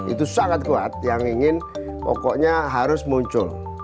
itu sangat kuat yang ingin pokoknya harus muncul